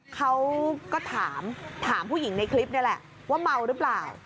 เขาก็ถามถามผู้หญิงในคลิปนี่แหละว่าเมาหรือเปล่า